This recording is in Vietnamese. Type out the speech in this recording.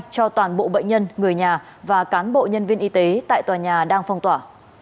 cho toàn bộ bệnh nhân người nhà và cán bộ nhân viên y tế tại tòa nhà đang phong tỏa